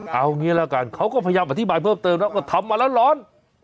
เอางี้ละกันเขาก็พยายามอธิบายเพิ่มเติมนะว่าทำมาแล้วร้อน